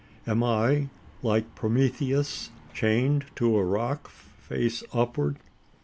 Am I, like Prometheus, chained to a rock face upward?